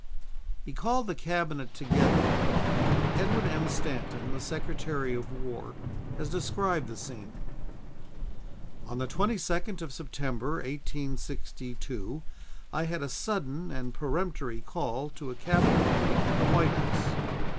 He called the Cabinet together. Edwin M. Stanton, the Secretary of War, has described the scene: "On the 22nd of September, 1862, I had a sudden and peremptory call to a Cabinet meeting at the White House.